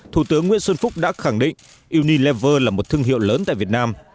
thủ tướng nguyễn xuân phúc đã khẳng định unilever là một thương hiệu lớn tại việt nam